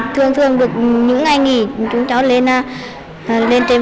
thường thường được những ngày nghỉ chúng cháu lên trên